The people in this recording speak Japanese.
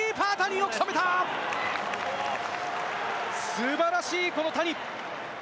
素晴らしい、この谷。